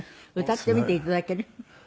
歌ってみていただける？